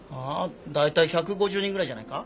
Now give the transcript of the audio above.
大体１５０人ぐらいじゃないか？